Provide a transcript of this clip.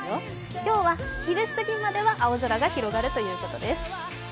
今日は昼すぎまでは青空が広がるということです。